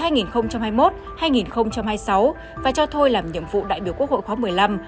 nhiệm kỳ hai nghìn hai mươi một hai nghìn hai mươi sáu và cho thôi làm nhiệm vụ đại biểu quốc hội khóa một mươi năm